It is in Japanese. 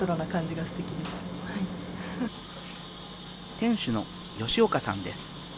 店主の吉岡さんです。